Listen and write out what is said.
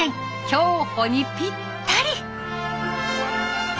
競歩にぴったり。